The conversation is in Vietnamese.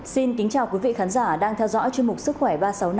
xin kính chào quý vị khán giả đang theo dõi chương mục sức khỏe ba trăm sáu mươi năm